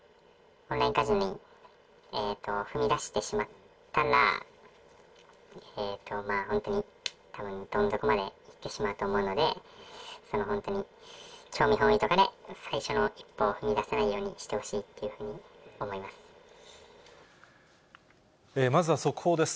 オンラインカジノに踏み出してしまったら、本当にたぶんどん底まで行ってしまうと思うので、その本当に興味本位とかで、最初の一歩を踏み出さないようにしてほしいっていうふうに思いままずは速報です。